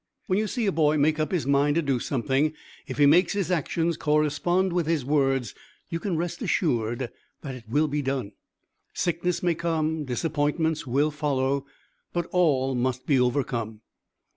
When you see a boy make up his mind to do something; if he makes his actions correspond with his words, you can rest assured that it will be done. Sickness may come; disappointments will follow, but all must be overcome.